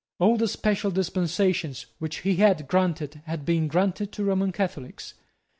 All the special dispensations which he had granted had been granted to Roman Catholics.